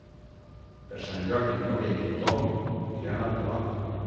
Per Sant Jordi na Núria i en Tom iran al Poal.